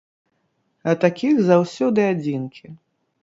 А такіх заўсёды адзінкі.